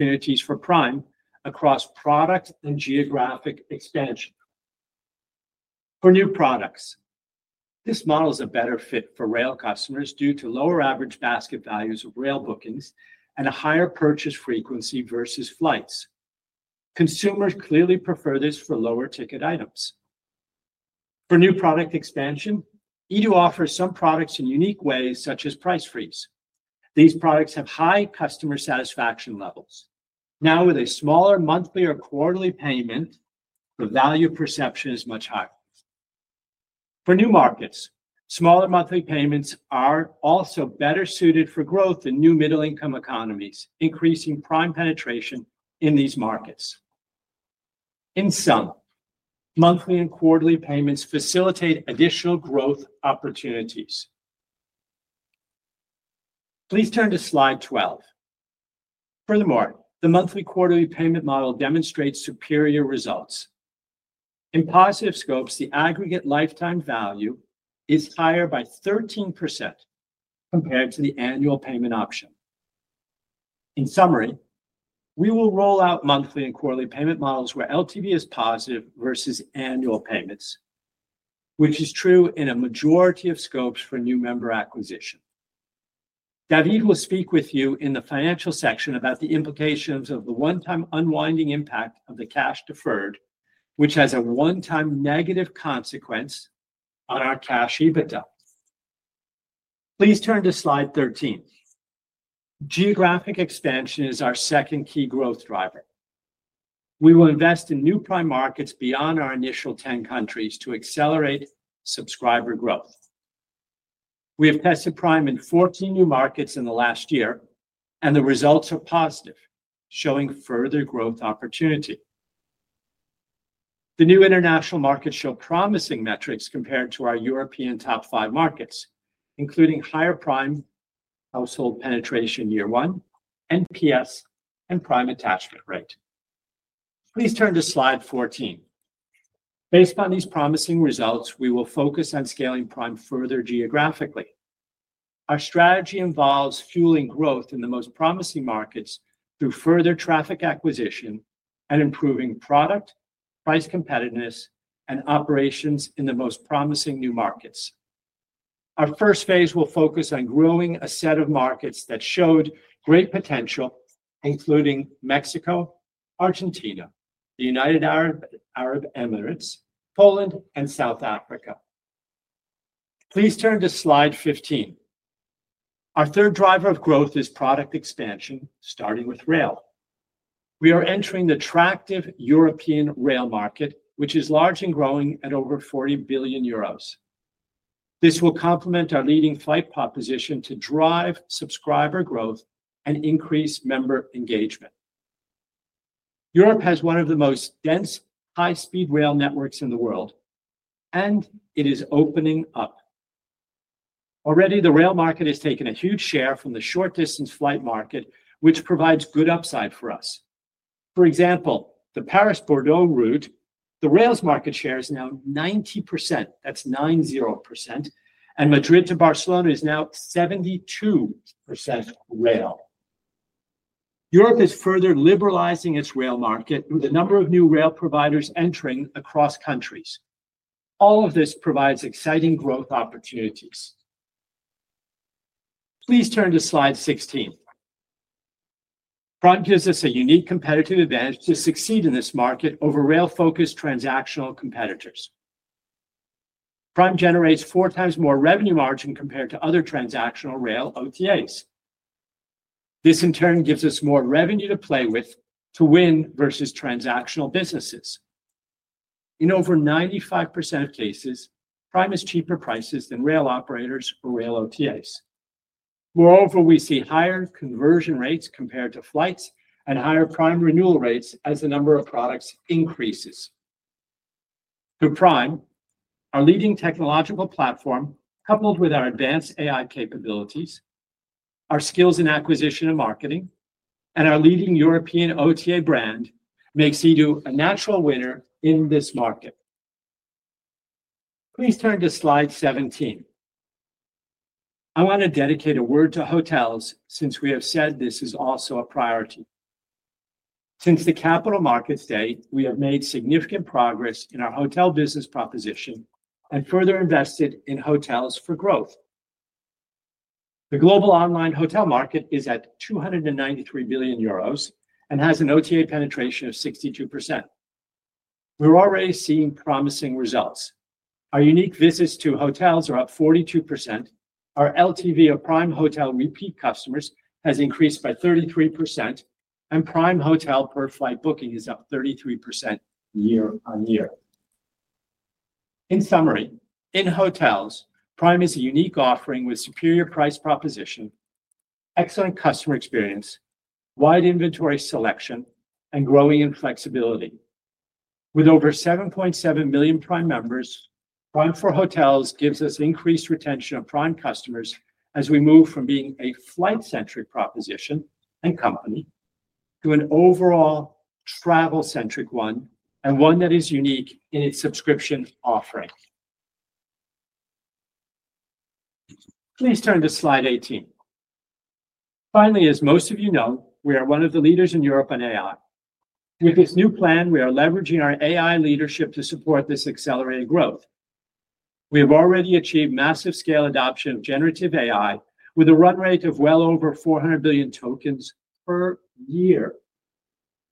Affinities for Prime across product and geographic expansion. For new products, this model is a better fit for rail customers due to lower average basket values of rail bookings and a higher purchase frequency versus flights. Consumers clearly prefer this for lower ticket items. For new product expansion, eDO offers some products in unique ways, such as price freeze. These products have high customer satisfaction levels. Now, with a smaller monthly or quarterly payment, the value perception is much higher. For new markets, smaller monthly payments are also better suited for growth in new middle-income economies, increasing Prime penetration in these markets. In sum, monthly and quarterly payments facilitate additional growth opportunities. Please turn to slide 12. Furthermore, the monthly/quarterly payment model demonstrates superior results. In positive scopes, the aggregate lifetime value is higher by 13% compared to the annual payment option. In summary, we will roll out monthly and quarterly payment models where LTV is positive versus annual payments, which is true in a majority of scopes for new member acquisition. David will speak with you in the financial section about the implications of the one-time unwinding impact of the cash deferred, which has a one-time negative consequence on our cash EBITDA. Please turn to slide 13. Geographic expansion is our second key growth driver. We will invest in new Prime markets beyond our initial 10 countries to accelerate subscriber growth. We have tested Prime in 14 new markets in the last year, and the results are positive, showing further growth opportunity. The new international markets show promising metrics compared to our European top five markets, including higher Prime household penetration year one, NPS, and Prime attachment rate. Please turn to slide 14. Based on these promising results, we will focus on scaling Prime further geographically. Our strategy involves fueling growth in the most promising markets through further traffic acquisition and improving product, price competitiveness, and operations in the most promising new markets. Our first phase will focus on growing a set of markets that showed great potential, including Mexico, Argentina, the United Arab Emirates, Poland, and South Africa. Please turn to slide 15. Our third driver of growth is product expansion, starting with rail. We are entering the attractive European rail market, which is large and growing at over 40 billion euros. This will complement our leading flight proposition to drive subscriber growth and increase member engagement. Europe has one of the most dense high-speed rail networks in the world, and it is opening up. Already, the rail market has taken a huge share from the short-distance flight market, which provides good upside for us. For example, the Paris-Bordeaux route, the rail's market share is now 90%. That's 90%. And Madrid to Barcelona is now 72% rail. Europe is further liberalizing its rail market with a number of new rail providers entering across countries. All of this provides exciting growth opportunities. Please turn to slide 16. Prime gives us a unique competitive advantage to succeed in this market over rail-focused transactional competitors. Prime generates four times more revenue margin compared to other transactional rail OTAs. This, in turn, gives us more revenue to play with to win versus transactional businesses. In over 95% of cases, Prime is cheaper prices than rail operators or rail OTAs. Moreover, we see higher conversion rates compared to flights and higher Prime renewal rates as the number of products increases. Through Prime, our leading technological platform, coupled with our advanced AI capabilities, our skills in acquisition and marketing, and our leading European OTA brand makes eDO a natural winner in this market. Please turn to slide 17. I want to dedicate a word to hotels since we have said this is also a priority. Since the capital markets day, we have made significant progress in our hotel business proposition and further invested in hotels for growth. The global online hotel market is at 293 billion euros and has an OTA penetration of 62%. We're already seeing promising results. Our unique visits to hotels are up 42%. Our LTV of Prime Hotel repeat customers has increased by 33%, and Prime Hotel per flight booking is up 33% year-on-year. In summary, in hotels, Prime is a unique offering with superior price proposition, excellent customer experience, wide inventory selection, and growing in flexibility. With over 7.7 million Prime members, Prime for Hotels gives us increased retention of Prime customers as we move from being a flight-centric proposition and company to an overall travel-centric one and one that is unique in its subscription offering. Please turn to slide 18. Finally, as most of you know, we are one of the leaders in Europe on AI. With this new plan, we are leveraging our AI leadership to support this accelerated growth. We have already achieved massive scale adoption of generative AI with a run rate of well over 400 billion tokens per year.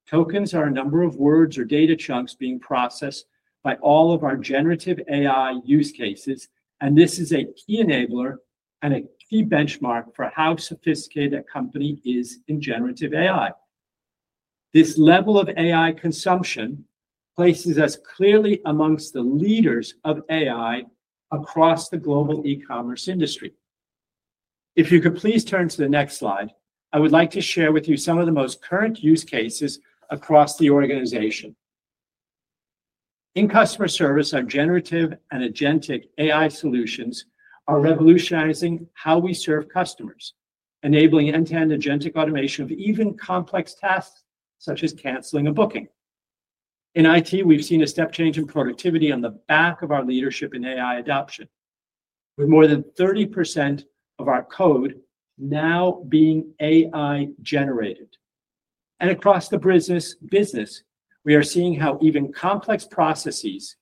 Tokens are a number of words or data chunks being processed by all of our generative AI use cases, and this is a key enabler and a key benchmark for how sophisticated a company is in generative AI. This level of AI consumption places us clearly amongst the leaders of AI across the global e-commerce industry. If you could please turn to the next slide, I would like to share with you some of the most current use cases across the organization. In customer service, our generative and agentic AI solutions are revolutionizing how we serve customers, enabling end-to-end agentic automation of even complex tasks such as canceling a booking. In IT, we've seen a step change in productivity on the back of our leadership in AI adoption, with more than 30% of our code now being AI-generated. Across the business, we are seeing how even complex processes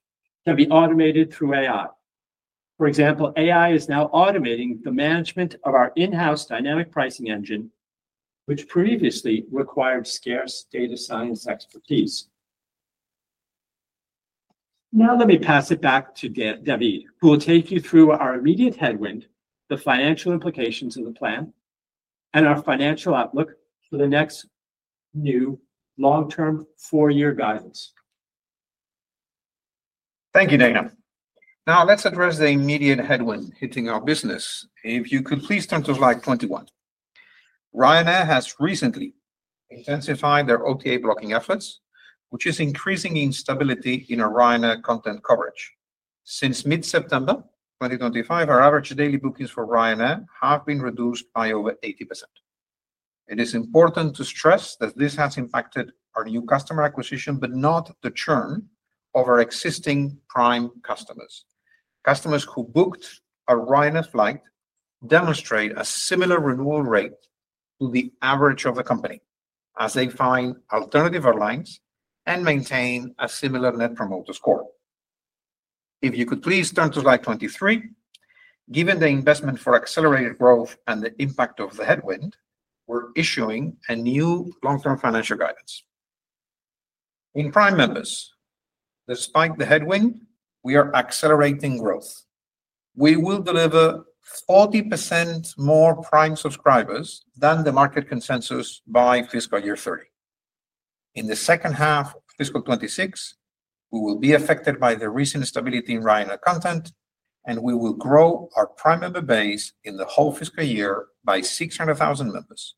can be automated through AI. For example, AI is now automating the management of our in-house dynamic pricing engine, which previously required scarce data science expertise. Now let me pass it back to David, who will take you through our immediate headwind, the financial implications of the plan, and our financial outlook for the next new long-term four-year guidance. Thank you, Dana. Now let's address the immediate headwind hitting our business. If you could please turn to slide 21. Ryanair has recently intensified their OTA blocking efforts, which is increasing instability in our Ryanair content coverage. Since mid-September 2025, our average daily bookings for Ryanair have been reduced by over 80%. It is important to stress that this has impacted our new customer acquisition, but not the churn of our existing Prime customers. Customers who booked a Ryanair flight demonstrate a similar renewal rate to the average of the company as they find alternative airlines and maintain a similar net promoter score. If you could please turn to slide 23, given the investment for accelerated growth and the impact of the headwind, we're issuing a new long-term financial guidance. In Prime members, despite the headwind, we are accelerating growth. We will deliver 40% more Prime subscribers than the market consensus by fiscal year 2030. In the second half of fiscal 2026, we will be affected by the recent stability in Ryanair content, and we will grow our Prime member base in the whole fiscal year by 600,000 members.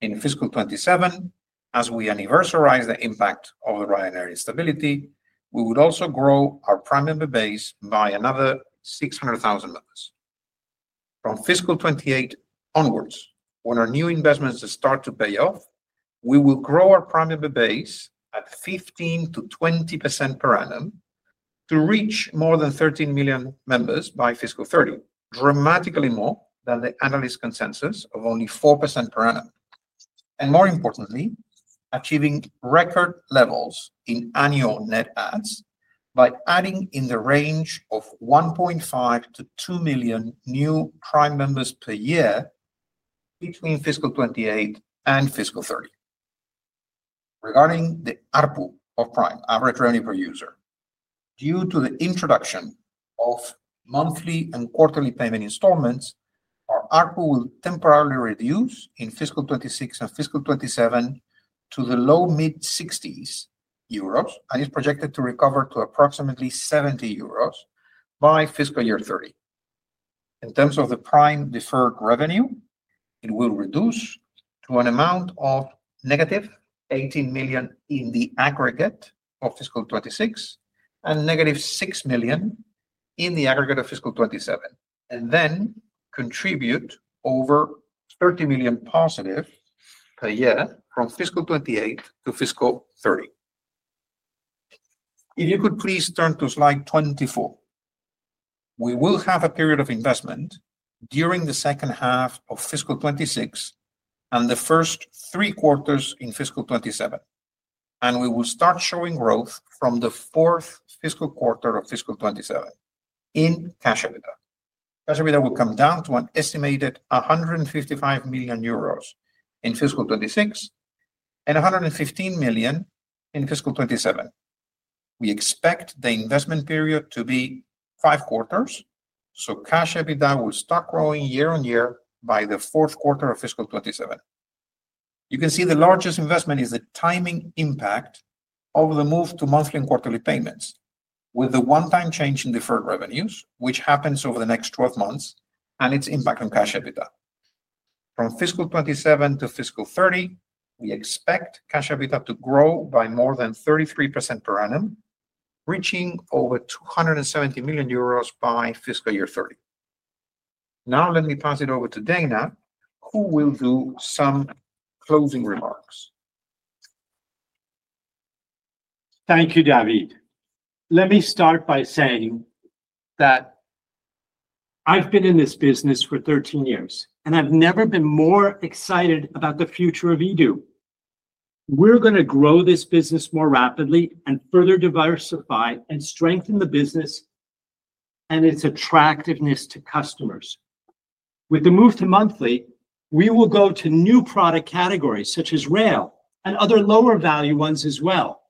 In fiscal 2027, as we anniversarize the impact of the Ryanair instability, we would also grow our Prime member base by another 600,000 members. From fiscal 2028 onwards, when our new investments start to pay off, we will grow our Prime member base at 15%-20% per annum to reach more than 13 million members by fiscal 2030, dramatically more than the analyst consensus of only 4% per annum. More importantly, achieving record levels in annual net adds by adding in the range of 1.5 million-2 million new Prime members per year between fiscal 2028 and fiscal 2030. Regarding the ARPU of Prime, average revenue per user, due to the introduction of monthly and quarterly payment installments, our ARPU will temporarily reduce in fiscal 2026 and fiscal 2027 to the low mid-60s EUR and is projected to recover to approximately 70 euros by fiscal year 2030. In terms of the Prime deferred revenue, it will reduce to an amount of -18 million in the aggregate of fiscal 2026 and -6 million in the aggregate of fiscal 2027, and then contribute over 30 million positive per year from fiscal 2028 to fiscal 2030. If you could please turn to slide 24, we will have a period of investment during the second half of fiscal 2026 and the first three quarters in fiscal 2027, and we will start showing growth from the fourth fiscal quarter of fiscal 2027 in cash EBITDA. Cash EBITDA will come down to an estimated 155 million euros in fiscal 2026 and 115 million in fiscal 2027. We expect the investment period to be five quarters, so cash EBITDA will start growing year on year by the fourth quarter of fiscal 2027. You can see the largest investment is the timing impact of the move to monthly and quarterly payments with the one-time change in deferred revenues, which happens over the next 12 months and its impact on cash EBITDA. From fiscal 2027 to fiscal 2030, we expect cash EBITDA to grow by more than 33% per annum, reaching over 270 million euros by fiscal year 2030. Now let me pass it over to Dana, who will do some closing remarks. Thank you, David. Let me start by saying that I've been in this business for 13 years, and I've never been more excited about the future of eDO. We're going to grow this business more rapidly and further diversify and strengthen the business and its attractiveness to customers. With the move to monthly, we will go to new product categories such as rail and other lower value ones as well.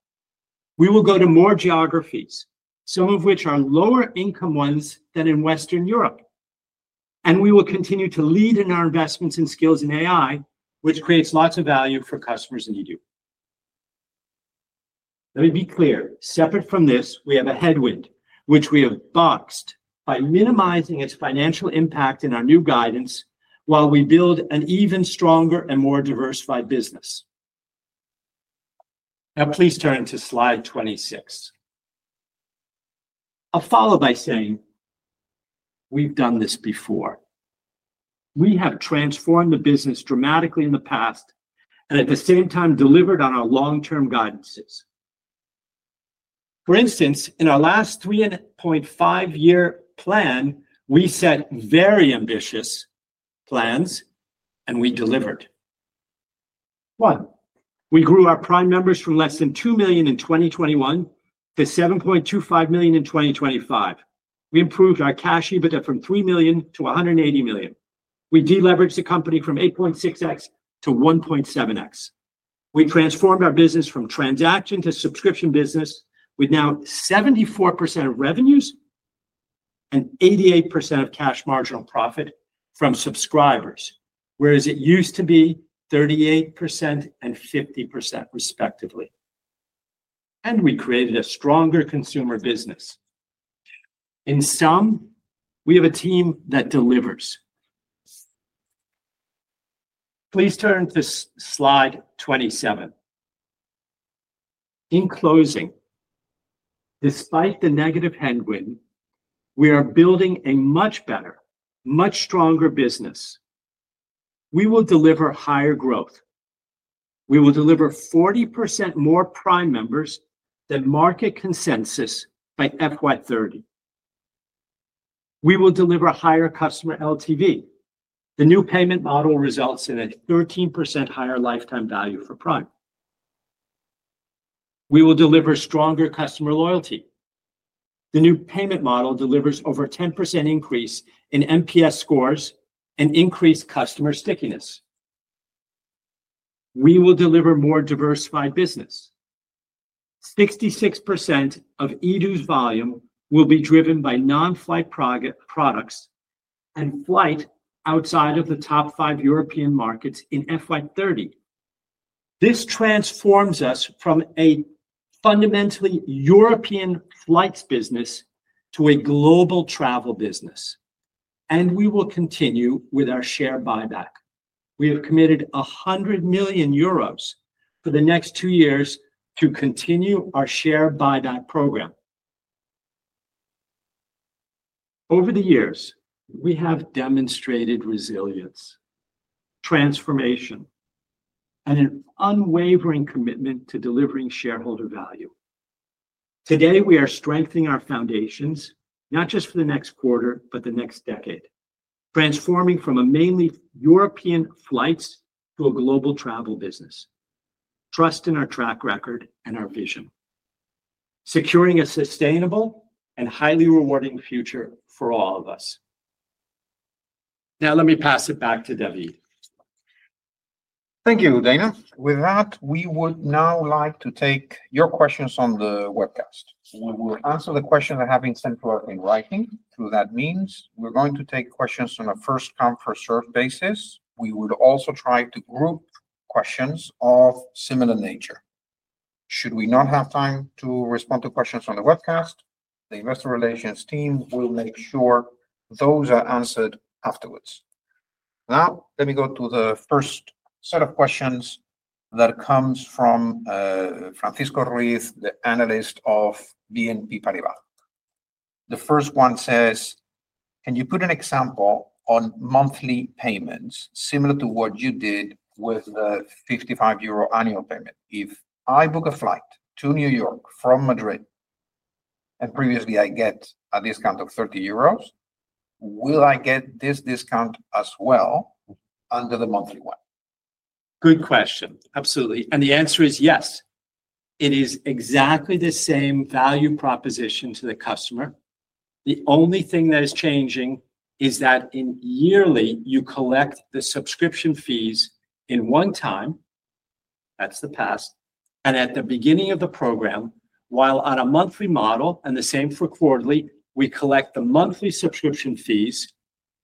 We will go to more geographies, some of which are lower income ones than in Western Europe. We will continue to lead in our investments and skills in AI, which creates lots of value for customers in eDO. Let me be clear. Separate from this, we have a headwind, which we have boxed by minimizing its financial impact in our new guidance while we build an even stronger and more diversified business. Now please turn to slide 26. I'll follow by saying we've done this before. We have transformed the business dramatically in the past and at the same time delivered on our long-term guidances. For instance, in our last 3.5-year plan, we set very ambitious plans, and we delivered. One, we grew our Prime members from less than 2 million in 2021 to 7.25 million in 2025. We improved our cash EBITDA from 3 million to 180 million. We deleveraged the company from 8.6x to 1.7x. We transformed our business from transaction to subscription business with now 74% of revenues and 88% of cash marginal profit from subscribers, whereas it used to be 38% and 50% respectively. We created a stronger consumer business. In sum, we have a team that delivers. Please turn to slide 27. In closing, despite the negative headwind, we are building a much better, much stronger business. We will deliver higher growth. We will deliver 40% more Prime members than market consensus by FY 2030. We will deliver higher customer LTV. The new payment model results in a 13% higher lifetime value for Prime. We will deliver stronger customer loyalty. The new payment model delivers over a 10% increase in NPS scores and increased customer stickiness. We will deliver more diversified business. 66% of eDO volume will be driven by non-flight products and flights outside of the top five European markets in FY 2030. This transforms us from a fundamentally European flights business to a global travel business, and we will continue with our share buyback. We have committed 100 million euros for the next two years to continue our share buyback program. Over the years, we have demonstrated resilience, transformation, and an unwavering commitment to delivering shareholder value. Today, we are strengthening our foundations, not just for the next quarter, but the next decade, transforming from a mainly European flights to a global travel business, trusting our track record and our vision, securing a sustainable and highly rewarding future for all of us. Now let me pass it back to David. Thank you, Dana. With that, we would now like to take your questions on the webcast. We will answer the questions that have been sent to us in writing. Through that means, we're going to take questions on a first-come, first-served basis. We would also try to group questions of similar nature. Should we not have time to respond to questions on the webcast, the investor relations team will make sure those are answered afterwards. Now let me go to the first set of questions that comes from Francisco Ruiz, the analyst of BNP Paribas. The first one says, "Can you put an example on monthly payments similar to what you did with the 55 euro annual payment? If I book a flight to New York from Madrid and previously I get a discount of 30 euros, will I get this discount as well under the monthly one? Good question. Absolutely. The answer is yes. It is exactly the same value proposition to the customer. The only thing that is changing is that in yearly, you collect the subscription fees in one time. That is the past. At the beginning of the program, while on a monthly model, and the same for quarterly, we collect the monthly subscription fees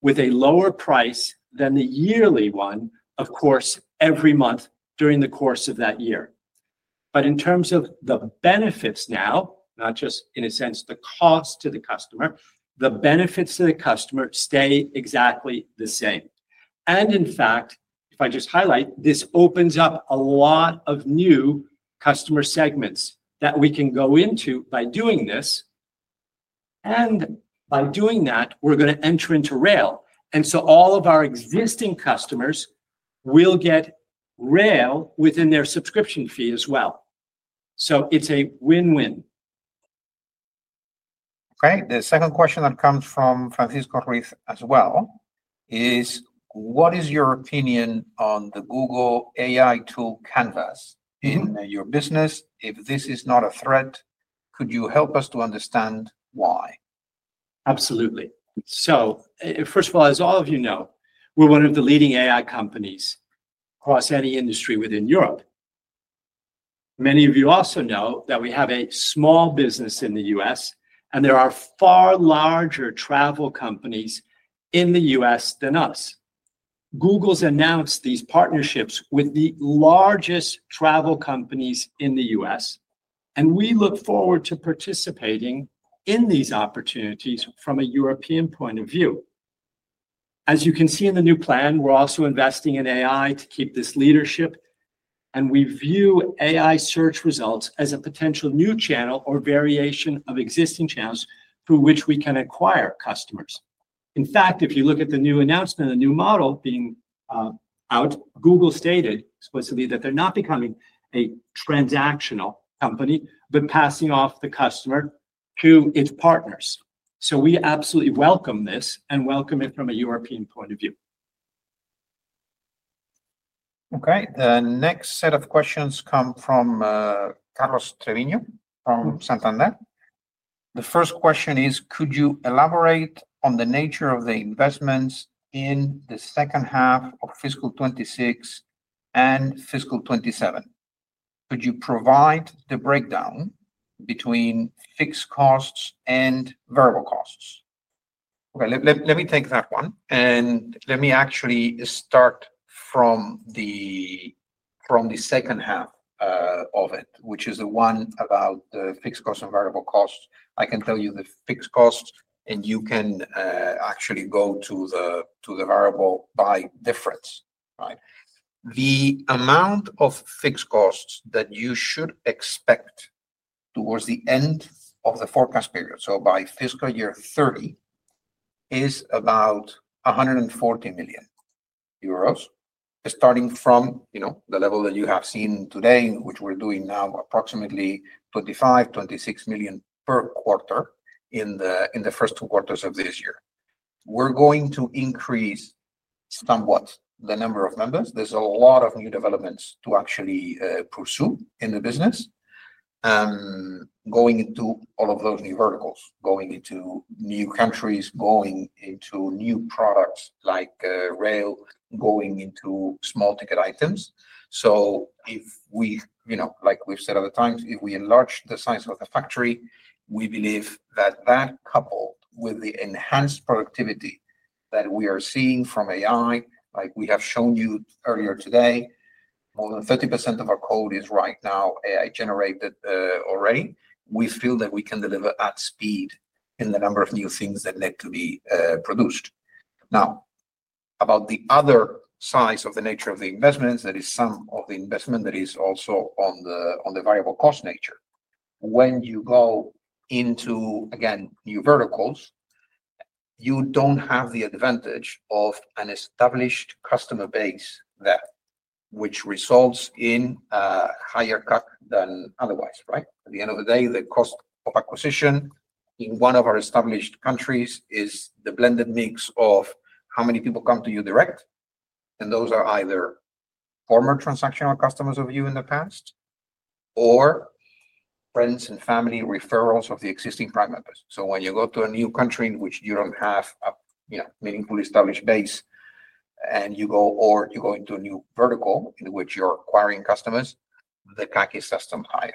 with a lower price than the yearly one, of course, every month during the course of that year. In terms of the benefits now, not just in a sense the cost to the customer, the benefits to the customer stay exactly the same. In fact, if I just highlight, this opens up a lot of new customer segments that we can go into by doing this. By doing that, we are going to enter into rail. All of our existing customers will get rail within their subscription fee as well. It is a win-win. Okay. The second question that comes from Francisco Ruiz as well is, "What is your opinion on the Google AI tool Canvas in your business? If this is not a threat, could you help us to understand why? Absolutely. First of all, as all of you know, we're one of the leading AI companies across any industry within Europe. Many of you also know that we have a small business in the U.S., and there are far larger travel companies in the U.S. than us. Google has announced these partnerships with the largest travel companies in the U.S., and we look forward to participating in these opportunities from a European point of view. As you can see in the new plan, we're also investing in AI to keep this leadership, and we view AI search results as a potential new channel or variation of existing channels through which we can acquire customers. In fact, if you look at the new announcement, the new model being out, Google stated explicitly that they're not becoming a transactional company, but passing off the customer to its partners. We absolutely welcome this and welcome it from a European point of view. Okay. The next set of questions come from Carlos Treviño from Santander. The first question is, "Could you elaborate on the nature of the investments in the second half of fiscal 2026 and fiscal 2027? Could you provide the breakdown between fixed costs and variable costs?" Okay. Let me take that one, and let me actually start from the second half of it, which is the one about the fixed costs and variable costs. I can tell you the fixed costs, and you can actually go to the variable by difference, right? The amount of fixed costs that you should expect towards the end of the forecast period, so by fiscal year 2030, is about 140 million euros, starting from the level that you have seen today, which we're doing now approximately EUR 25 million-EUR 26 million per quarter in the first two quarters of this year. We're going to increase somewhat the number of members. There's a lot of new developments to actually pursue in the business, going into all of those new verticals, going into new countries, going into new products like rail, going into small ticket items. If we, like we've said other times, if we enlarge the size of the factory, we believe that that coupled with the enhanced productivity that we are seeing from AI, like we have shown you earlier today, more than 30% of our code is right now AI-generated already, we feel that we can deliver at speed in the number of new things that need to be produced. Now, about the other size of the nature of the investments, that is some of the investment that is also on the variable cost nature. When you go into, again, new verticals, you do not have the advantage of an established customer base there, which results in a higher cut than otherwise, right? At the end of the day, the cost of acquisition in one of our established countries is the blended mix of how many people come to you direct, and those are either former transactional customers of you in the past or friends and family referrals of the existing Prime members. When you go to a new country in which you do not have a meaningfully established base or you go into a new vertical in which you are acquiring customers, the CAC is just higher.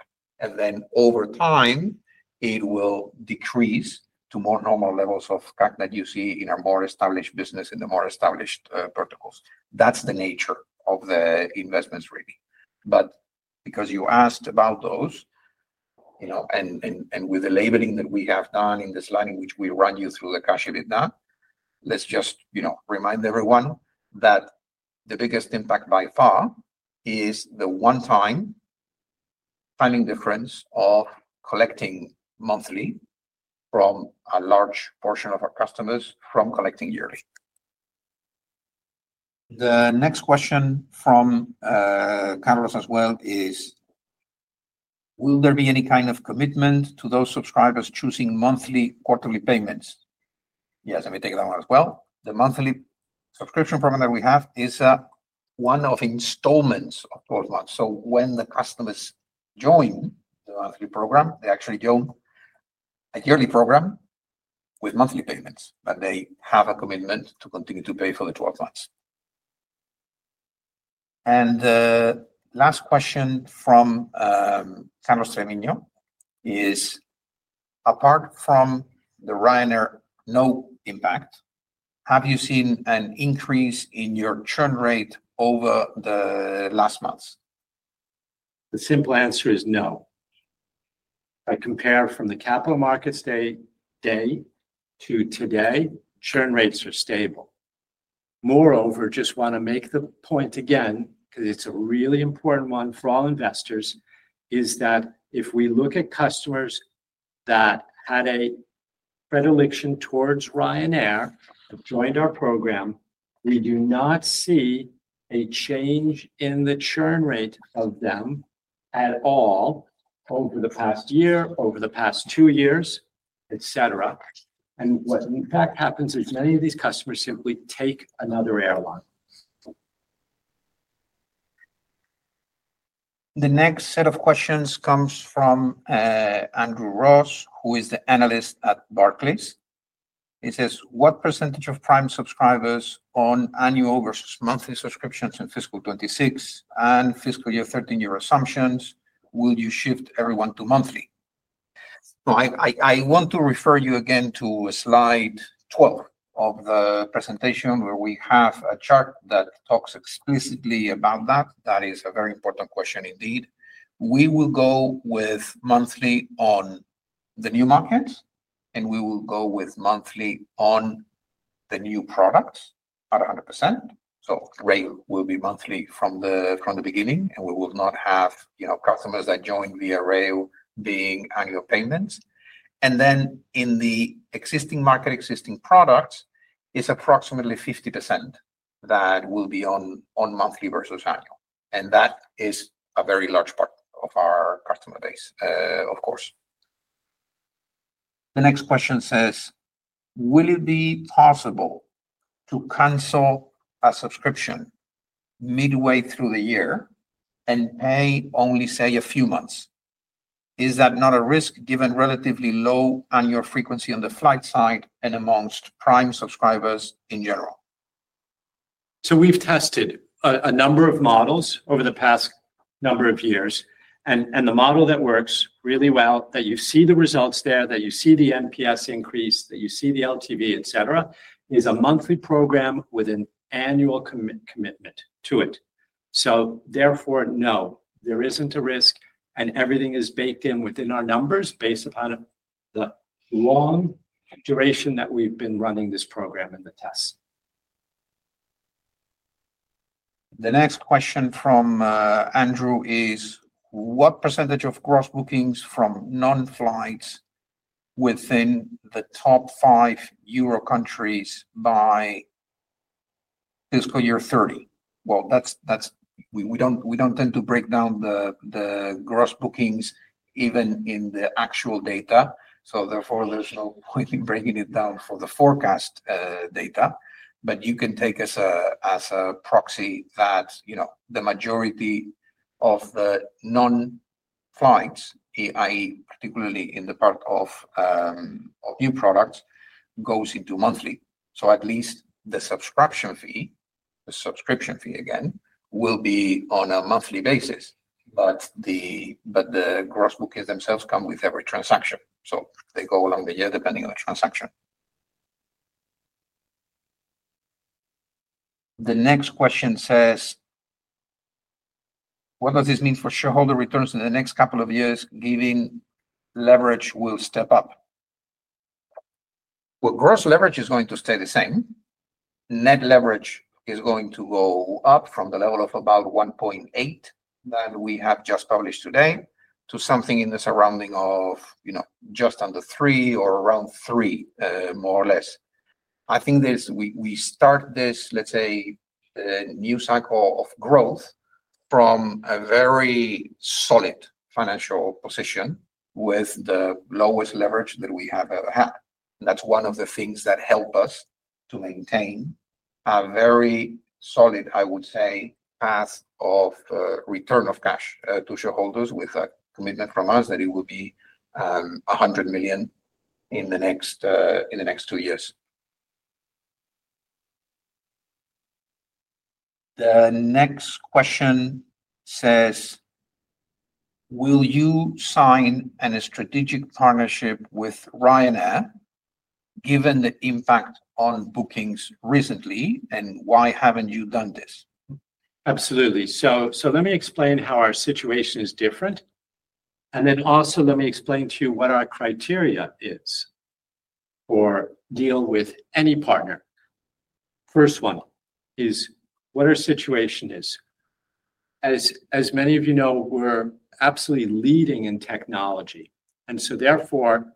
Over time, it will decrease to more normal levels of CAC that you see in a more established business in the more established verticals. That is the nature of the investments, really. Because you asked about those, and with the labeling that we have done in this line in which we run you through the cash EBITDA, let's just remind everyone that the biggest impact by far is the one-time filing difference of collecting monthly from a large portion of our customers from collecting yearly. The next question from Carlos as well is, "Will there be any kind of commitment to those subscribers choosing monthly quarterly payments?" Yes, let me take that one as well. The monthly subscription program that we have is one of installments of 12 months. So when the customers join the monthly program, they actually join a yearly program with monthly payments, but they have a commitment to continue to pay for the 12 months. The last question from Carlos Treviño is, "Apart from the Ryanair no impact, have you seen an increase in your churn rate over the last months?" The simple answer is no. I compare from the capital markets day to today, churn rates are stable. Moreover, just want to make the point again, because it is a really important one for all investors, is that if we look at customers that had a predilection towards Ryanair that joined our program, we do not see a change in the churn rate of them at all over the past year, over the past two years, etc. What in fact happens is many of these customers simply take another airline. The next set of questions comes from Andrew Ross, who is the analyst at Barclays. He says, "What percentage of Prime subscribers on annual versus monthly subscriptions in fiscal 2026 and fiscal year 2013 year assumptions will you shift everyone to monthly?" I want to refer you again to slide 12 of the presentation where we have a chart that talks explicitly about that. That is a very important question indeed. We will go with monthly on the new markets, and we will go with monthly on the new products at 100%. Rail will be monthly from the beginning, and we will not have customers that join via rail being annual payments. In the existing market, existing products, it is approximately 50% that will be on monthly versus annual. That is a very large part of our customer base, of course. The next question says, "Will it be possible to cancel a subscription midway through the year and pay only, say, a few months? Is that not a risk given relatively low annual frequency on the flight side and amongst Prime subscribers in general? We've tested a number of models over the past number of years, and the model that works really well, that you see the results there, that you see the NPS increase, that you see the LTV, etc., is a monthly program with an annual commitment to it. Therefore, no, there isn't a risk, and everything is baked in within our numbers based upon the long duration that we've been running this program and the tests. The next question from Andrew is, "What percentage of gross bookings from non-flights within the top five euro countries by fiscal year 2030?" We do not tend to break down the gross bookings even in the actual data. Therefore, there is no point in breaking it down for the forecast data. You can take as a proxy that the majority of the non-flights, i.e., particularly in the part of new products, goes into monthly. At least the subscription fee, the subscription fee again, will be on a monthly basis, but the gross bookings themselves come with every transaction. They go along the year depending on the transaction. The next question says, "What does this mean for shareholder returns in the next couple of years given leverage will step up?" Gross leverage is going to stay the same. Net leverage is going to go up from the level of about 1.8 that we have just published today to something in the surrounding of just under 3 or around 3, more or less. I think we start this, let's say, new cycle of growth from a very solid financial position with the lowest leverage that we have ever had. That's one of the things that help us to maintain a very solid, I would say, path of return of cash to shareholders with a commitment from us that it will be 100 million in the next two years. The next question says, "Will you sign a strategic partnership with Ryanair given the impact on bookings recently, and why haven't you done this? Absolutely. Let me explain how our situation is different. Let me also explain to you what our criteria is for dealing with any partner. First one is what our situation is. As many of you know, we're absolutely leading in technology. Therefore,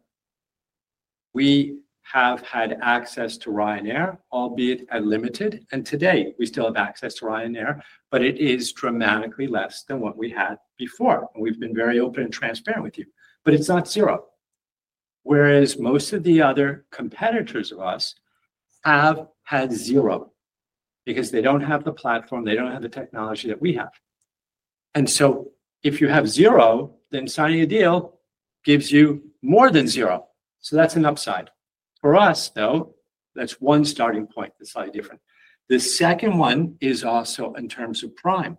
we have had access to Ryanair, albeit limited. Today, we still have access to Ryanair, but it is dramatically less than what we had before. We've been very open and transparent with you. It is not zero. Whereas most of the other competitors of ours have had zero because they do not have the platform, they do not have the technology that we have. If you have zero, then signing a deal gives you more than zero. That is an upside. For us, though, that is one starting point. It is slightly different. The second one is also in terms of Prime,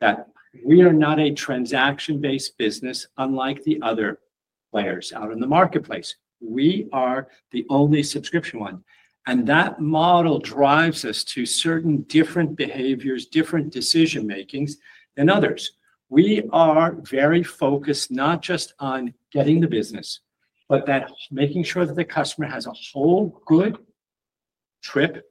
that we are not a transaction-based business unlike the other players out in the marketplace. We are the only subscription one. That model drives us to certain different behaviors, different decision-makings than others. We are very focused not just on getting the business, but making sure that the customer has a whole good trip,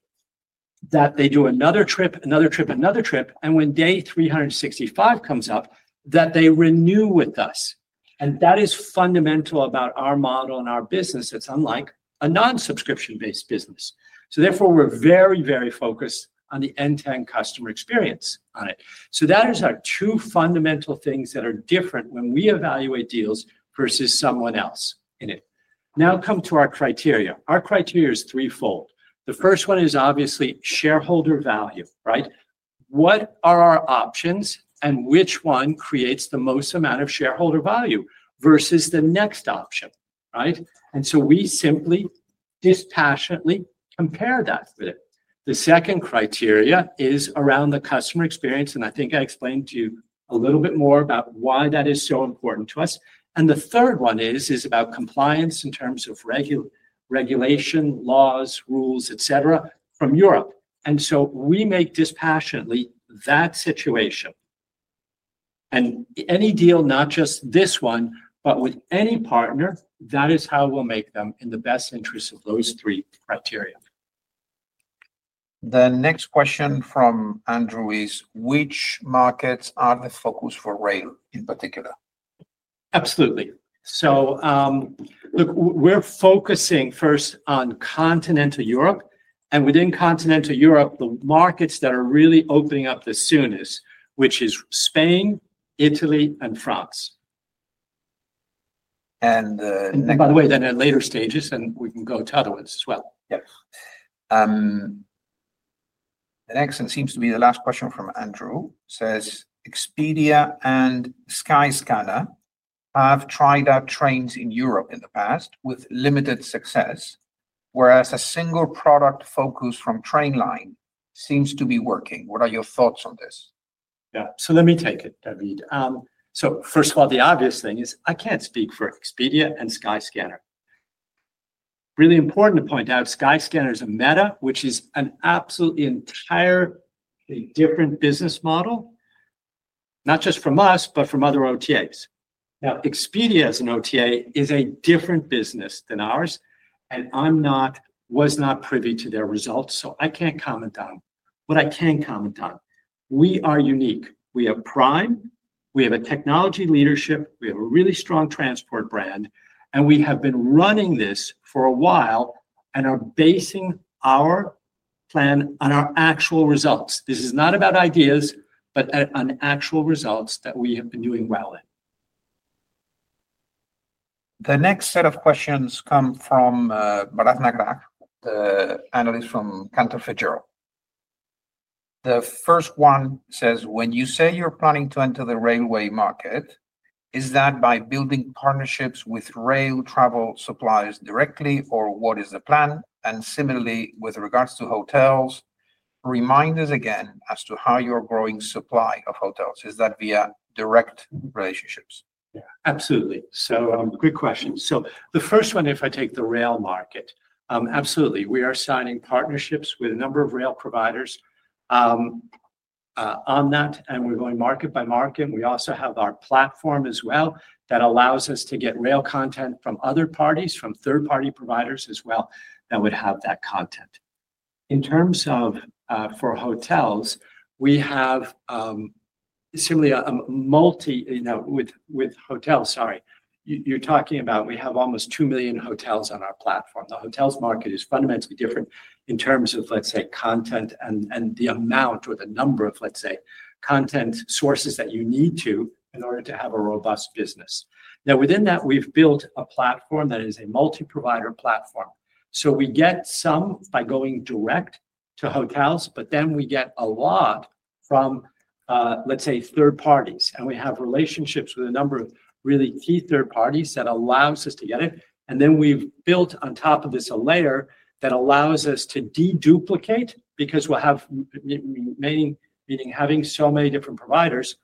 that they do another trip, another trip, another trip, and when day 365 comes up, that they renew with us. That is fundamental about our model and our business. It's unlike a non-subscription-based business. Therefore, we're very, very focused on the end-to-end customer experience on it. That is our two fundamental things that are different when we evaluate deals versus someone else in it. Now come to our criteria. Our criteria is threefold. The first one is obviously shareholder value, right? What are our options and which one creates the most amount of shareholder value versus the next option, right? We simply dispassionately compare that with it. The second criteria is around the customer experience, and I think I explained to you a little bit more about why that is so important to us. The third one is about compliance in terms of regulation, laws, rules, etc., from Europe. We make dispassionately that situation. Any deal, not just this one, but with any partner, that is how we'll make them in the best interest of those three criteria. The next question from Andrew is, "Which markets are the focus for rail in particular? Absolutely. Look, we're focusing first on continental Europe. Within continental Europe, the markets that are really opening up the soonest are Spain, Italy, and France. And. By the way, then at later stages, we can go to other ones as well. Yes. The next one seems to be the last question from Andrew says, "Expedia and Skyscanner have tried out trains in Europe in the past with limited success, whereas a single product focus from Trainline seems to be working. What are your thoughts on this? Yeah. Let me take it, David. First of all, the obvious thing is I can't speak for Expedia and Skyscanner. Really important to point out, Skyscanner is a meta, which is an absolutely entirely different business model, not just from us, but from other OTAs. Now, Expedia as an OTA is a different business than ours, and I'm not, was not privy to their results, so I can't comment on. What I can comment on, we are unique. We have Prime, we have a technology leadership, we have a really strong transport brand, and we have been running this for a while and are basing our plan on our actual results. This is not about ideas, but on actual results that we have been doing well in. The next set of questions come from Bharath Nagaraj, the analyst from Cantor Fitzgerald. The first one says, "When you say you're planning to enter the rail market, is that by building partnerships with rail travel suppliers directly, or what is the plan? Similarly, with regards to hotels, remind us again as to how you're growing supply of hotels. Is that via direct relationships? Yeah, absolutely. Good question. The first one, if I take the rail market, absolutely. We are signing partnerships with a number of rail providers on that, and we're going market by market. We also have our platform as well that allows us to get rail content from other parties, from third-party providers as well that would have that content. In terms of for hotels, we have similarly a multi with hotels, sorry. You're talking about we have almost 2 million hotels on our platform. The hotels market is fundamentally different in terms of, let's say, content and the amount or the number of, let's say, content sources that you need to in order to have a robust business. Now, within that, we've built a platform that is a multi-provider platform. We get some by going direct to hotels, but then we get a lot from, let's say, third parties. We have relationships with a number of really key third parties that allows us to get it. We have built on top of this a layer that allows us to deduplicate because having so many different providers,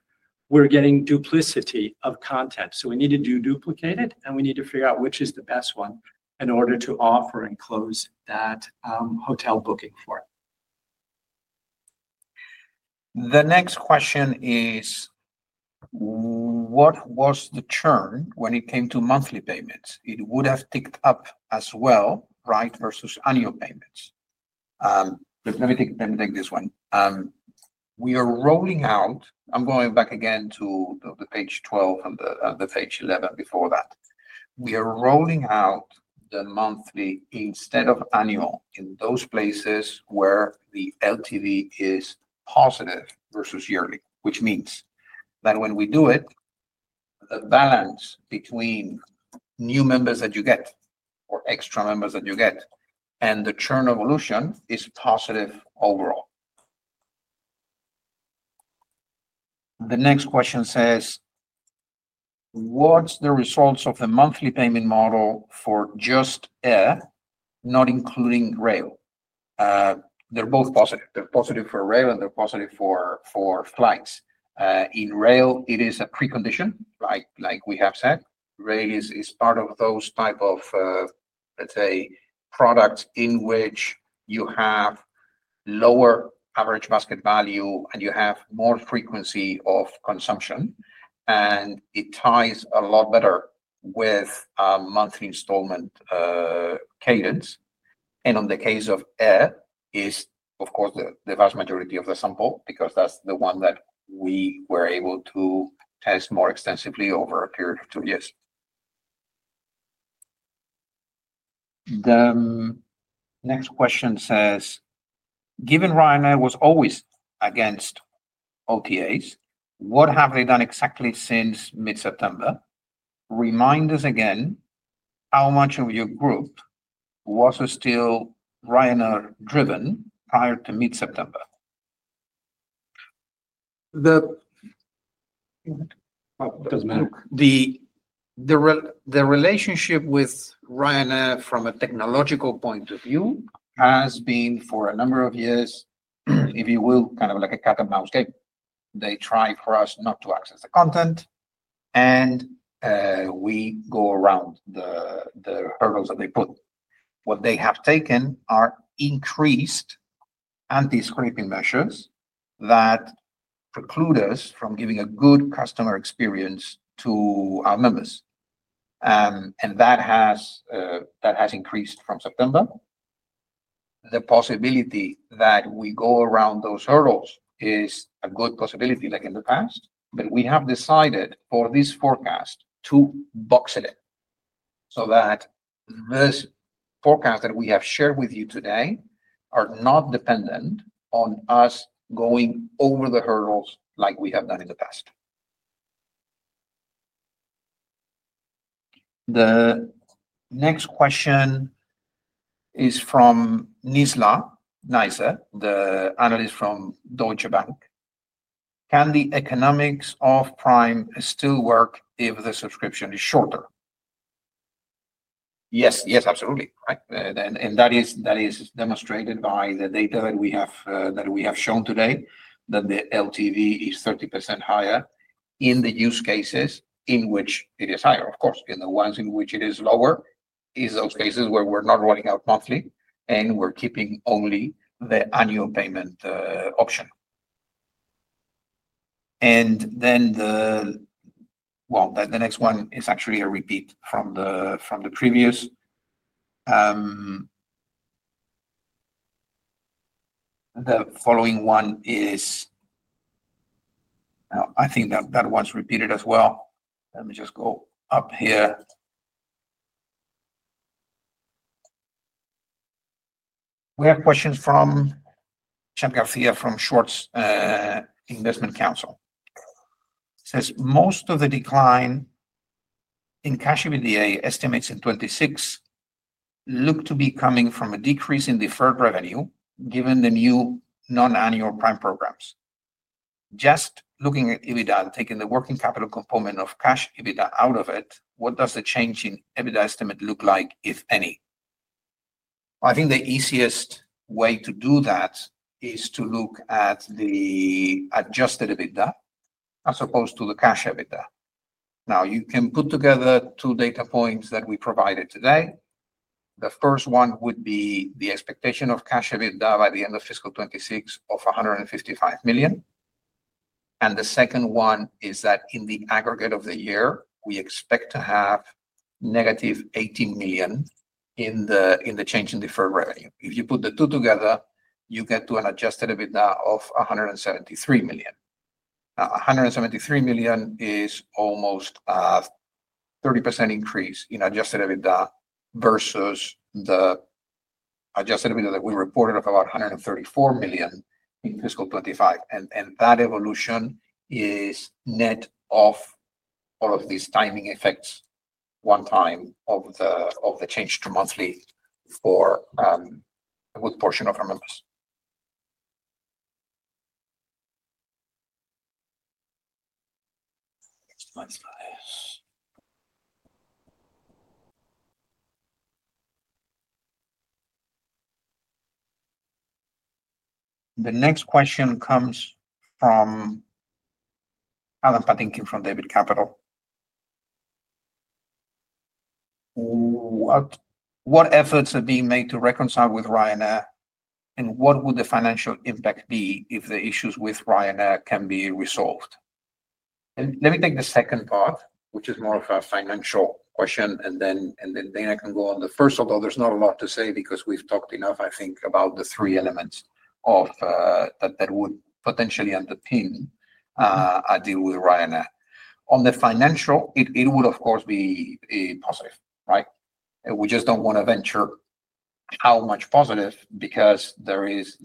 we're getting duplicity of content. We need to deduplicate it, and we need to figure out which is the best one in order to offer and close that hotel booking for. The next question is, "What was the churn when it came to monthly payments? It would have ticked up as well, right, versus annual payments? Let me take this one. We are rolling out, I'm going back again to page 12 and the page 11 before that. We are rolling out the monthly instead of annual in those places where the LTV is positive versus yearly, which means that when we do it, the balance between new members that you get or extra members that you get and the churn evolution is positive overall. The next question says, "What's the results of the monthly payment model for just air, not including rail? They're both positive. They're positive for rail, and they're positive for flights. In rail, it is a precondition, like we have said. Rail is part of those type of, let's say, products in which you have lower average basket value, and you have more frequency of consumption. It ties a lot better with monthly installment cadence. In the case of air, it's of course the vast majority of the sample because that's the one that we were able to test more extensively over a period of two years. The next question says, "Given Ryanair was always against OTAs, what have they done exactly since mid-September? Remind us again, how much of your group was still Ryanair-driven prior to mid-September? The. Oh, it doesn't matter. The relationship with Ryanair from a technological point of view has been for a number of years, if you will, kind of like a cat-and-mouse game. They try for us not to access the content, and we go around the hurdles that they put. What they have taken are increased anti-scraping measures that preclude us from giving a good customer experience to our members. That has increased from September. The possibility that we go around those hurdles is a good possibility like in the past, but we have decided for this forecast to box it in so that this forecast that we have shared with you today are not dependent on us going over the hurdles like we have done in the past. The next question is from Nizla Naizer, the analyst from Deutsche Bank. "Can the economics of Prime still work if the subscription is shorter? Yes, yes, absolutely. That is demonstrated by the data that we have shown today that the LTV is 30% higher in the use cases in which it is higher. Of course, in the ones in which it is lower is those cases where we're not rolling out monthly and we're keeping only the annual payment option. The next one is actually a repeat from the previous. The following one is, I think that one's repeated as well. Let me just go up here. We have questions from Chadd Garcia from Schwartz Investment Counsel. It says, "Most of the decline in cash EBITDA estimates in 2026 look to be coming from a decrease in deferred revenue given the new non-annual Prime programs. Just looking at EBITDA, taking the working capital component of cash EBITDA out of it, what does the change in EBITDA estimate look like, if any? I think the easiest way to do that is to look at the adjusted EBITDA as opposed to the cash EBITDA. Now, you can put together two data points that we provided today. The first one would be the expectation of cash EBITDA by the end of fiscal 2026 of 155 million. The second one is that in the aggregate of the year, we expect to have -18 million in the change in deferred revenue. If you put the two together, you get to an adjusted EBITDA of 173 million. Now, 173 million is almost a 30% increase in adjusted EBITDA versus the adjusted EBITDA that we reported of about 134 million in fiscal 2025. That evolution is net of all of these timing effects one time of the change to monthly for a good portion of our members. Next slide. The next question comes from Adam Patinkin from David Capital. "What efforts are being made to reconcile with Ryanair, and what would the financial impact be if the issues with Ryanair can be resolved? Let me take the second part, which is more of a financial question, and then I can go on the first, although there's not a lot to say because we've talked enough, I think, about the three elements that would potentially underpin a deal with Ryanair. On the financial, it would, of course, be positive, right? We just do not want to venture how much positive because there is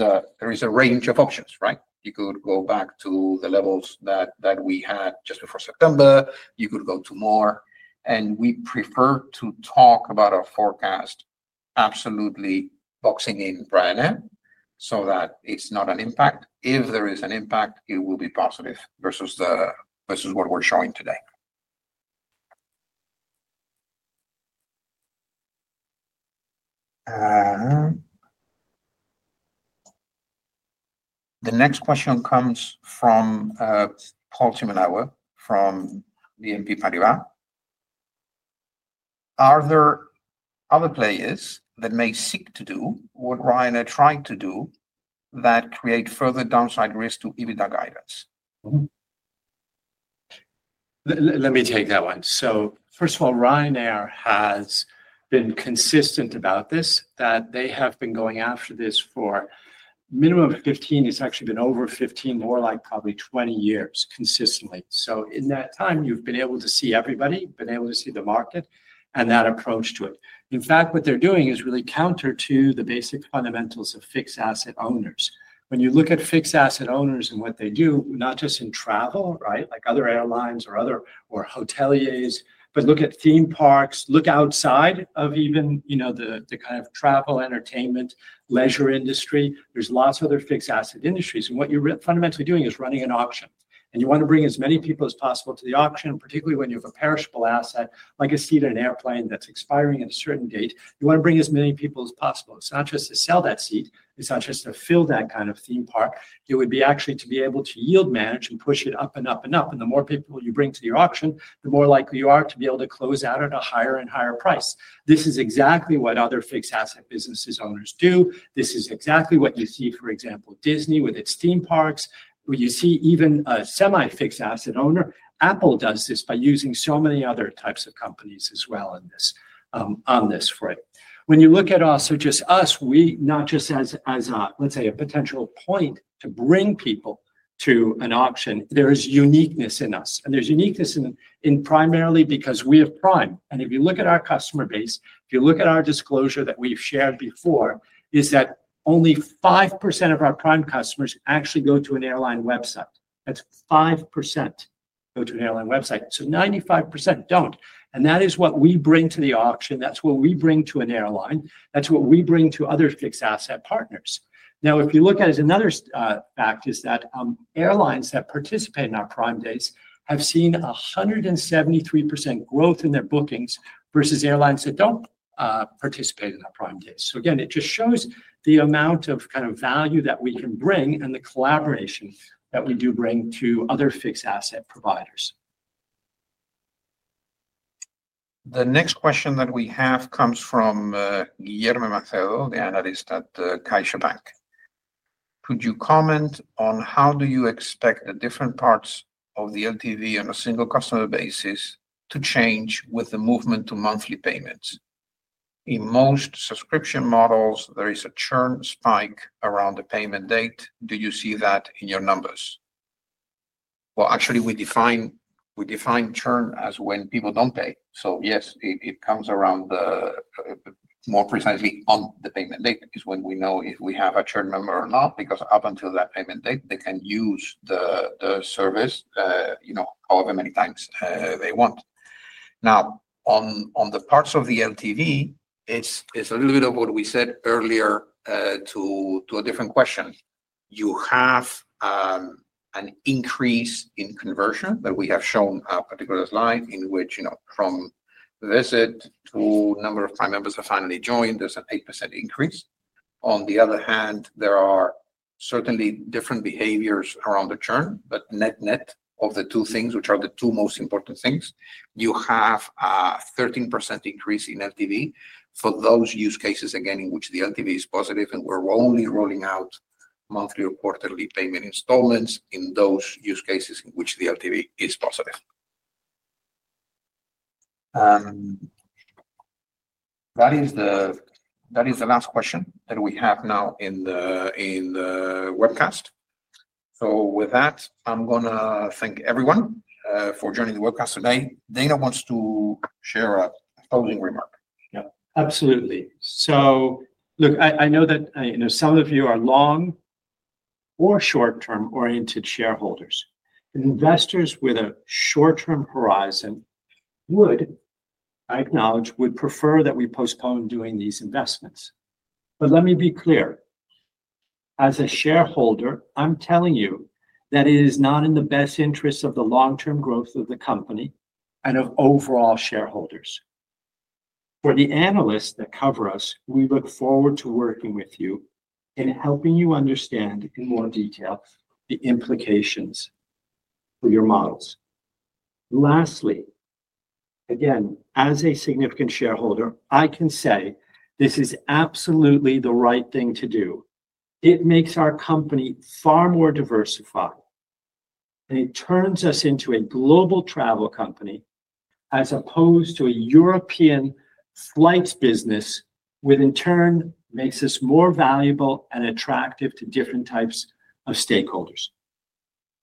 a range of options, right? You could go back to the levels that we had just before September. You could go to more. We prefer to talk about our forecast absolutely boxing in Ryanair so that it's not an impact. If there is an impact, it will be positive versus what we're showing today. The next question comes from Paul Timanawa from BNP Paribas. "Are there other players that may seek to do what Ryanair tried to do that create further downside risk to EBITDA guidance? Let me take that one. First of all, Ryanair has been consistent about this, that they have been going after this for a minimum of 15, it's actually been over 15, more like probably 20 years consistently. In that time, you've been able to see everybody, been able to see the market and that approach to it. In fact, what they're doing is really counter to the basic fundamentals of fixed asset owners. When you look at fixed asset owners and what they do, not just in travel, like other airlines or hoteliers, but look at theme parks, look outside of even the kind of travel, entertainment, leisure industry, there's lots of other fixed asset industries. What you're fundamentally doing is running an auction. You want to bring as many people as possible to the auction, particularly when you have a perishable asset like a seat in an airplane that is expiring at a certain date. You want to bring as many people as possible. It is not just to sell that seat. It is not just to fill that kind of theme park. It would be actually to be able to yield manage and push it up and up and up. The more people you bring to the auction, the more likely you are to be able to close out at a higher and higher price. This is exactly what other fixed asset businesses' owners do. This is exactly what you see, for example, Disney with its theme parks. You see even a semi-fixed asset owner. Apple does this by using so many other types of companies as well on this for it. When you look at us, or just us, not just as, let's say, a potential point to bring people to an auction, there is uniqueness in us. And there's uniqueness primarily because we have Prime. If you look at our customer base, if you look at our disclosure that we've shared before, is that only 5% of our Prime customers actually go to an airline website. That's 5% go to an airline website. So 95% don't. That is what we bring to the auction. That is what we bring to an airline. That is what we bring to other fixed asset partners. Now, if you look at it, another fact is that airlines that participate in our Prime days have seen 173% growth in their bookings versus airlines that don't participate in our Prime days. Again, it just shows the amount of kind of value that we can bring and the collaboration that we do bring to other fixed asset providers. The next question that we have comes from Guilherme Macedo, the analyst at CaixaBank. "Could you comment on how do you expect the different parts of the LTV on a single customer basis to change with the movement to monthly payments? In most subscription models, there is a churn spike around the payment date. Do you see that in your numbers? Actually, we define churn as when people do not pay. Yes, it comes around more precisely on the payment date, which is when we know if we have a churn member or not, because up until that payment date, they can use the service however many times they want. Now, on the parts of the LTV, it is a little bit of what we said earlier to a different question. You have an increase in conversion that we have shown on a particular slide in which from visit to number of Prime members who have finally joined, there is an 8% increase. On the other hand, there are certainly different behaviors around the churn, but net-net of the two things, which are the two most important things, you have a 13% increase in LTV for those use cases, again, in which the LTV is positive and we're only rolling out monthly or quarterly payment installments in those use cases in which the LTV is positive. That is the last question that we have now in the webcast. With that, I'm going to thank everyone for joining the webcast today. Dana wants to share a closing remark. Absolutely. Look, I know that some of you are long or short-term oriented shareholders. Investors with a short-term horizon, I acknowledge, would prefer that we postpone doing these investments. Let me be clear. As a shareholder, I am telling you that it is not in the best interests of the long-term growth of the company and of overall shareholders. For the analysts that cover us, we look forward to working with you in helping you understand in more detail the implications for your models. Lastly, again, as a significant shareholder, I can say this is absolutely the right thing to do. It makes our company far more diversified. It turns us into a global travel company as opposed to a European flights business, which in turn makes us more valuable and attractive to different types of stakeholders.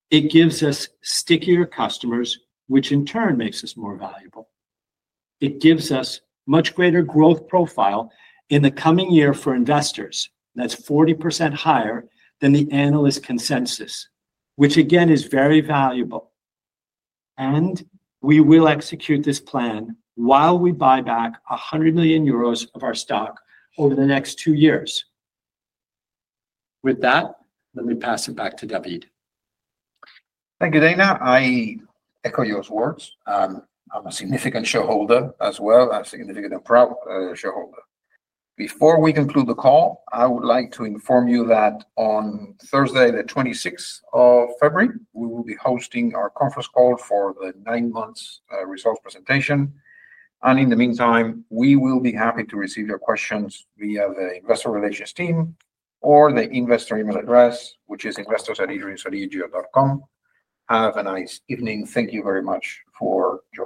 It gives us stickier customers, which in turn makes us more valuable. It gives us much greater growth profile in the coming year for investors. That is 40% higher than the analyst consensus, which again is very valuable. We will execute this plan while we buy back 100 million euros of our stock over the next two years. With that, let me pass it back to David. Thank you, Dana. I echo your words. I'm a significant shareholder as well. I'm a significant shareholder. Before we conclude the call, I would like to inform you that on Thursday, the 26th of February, we will be hosting our conference call for the nine-month results presentation. In the meantime, we will be happy to receive your questions via the investor relations team or the investor email address, which is investors@edreamsodigeo.com. Have a nice evening. Thank you very much for your time.